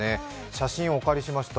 写真をお借りしました。